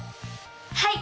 はい！